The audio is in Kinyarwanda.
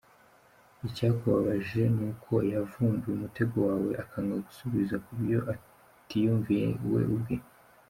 Icyakubabaje ni uko yavumbuye umutego wawe akanga gusubiza ku byo atiyumviye we ubwe.